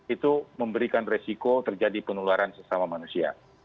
itu memberikan resiko terjadi penularan sesama manusia